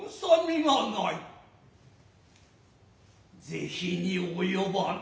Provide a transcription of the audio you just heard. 是非に及ばぬ。